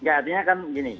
artinya kan begini